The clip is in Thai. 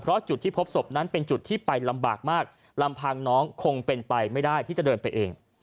เพราะจุดที่พบศพนั้นเป็นจุดที่ไปลำบากมากลำพังน้องคงเป็นไปไม่ได้ที่จะเดินไปเอง